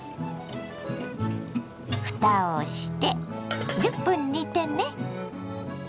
ふたをして１０分煮てね。